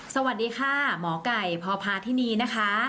สวัสดีค่ะหมอไก่พพาธินีนะคะ